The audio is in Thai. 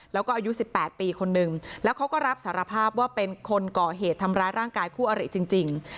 แล้วก็อายุ๑๘ปีคนนึงแล้วเขาก็รับสารภาพว่าเป็นคนก่อเหตุทำร้ายร่างกายคู่อริจริง